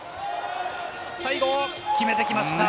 最後決めてきました。